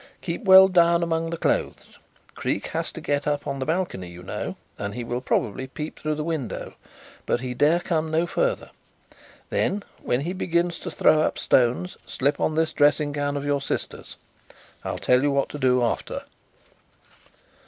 "Keep well down among the clothes. Creake has to get up on the balcony, you know, and he will probably peep through the window, but he dare come no farther. Then when he begins to throw up stones slip on this dressing gown of your sister's. I'll tell you what to do after."